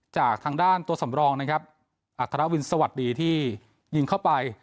จากทางด้านตัวสำรองนะครับอัธรวินสวัสดีที่ยิงเข้าไป